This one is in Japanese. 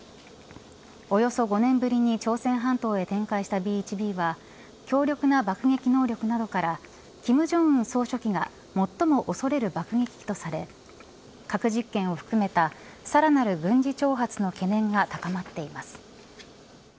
およそ５年ぶりに朝鮮半島へ展開したＢ１Ｂは強力な爆撃能力などから金正恩総書記が最も恐れる爆撃機とされ核実験を含めたさらなる軍事挑発の懸念が高まっています。